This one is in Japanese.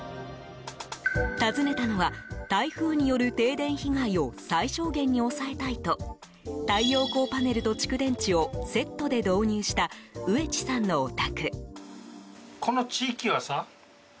訪ねたのは台風による停電被害を最小限に抑えたいと太陽光パネルと蓄電池をセットで導入した上地さんのお宅。